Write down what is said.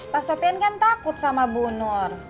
pak sofian kan takut sama bu nur